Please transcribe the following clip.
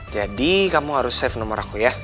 jadi kamu harus save nomor aku ya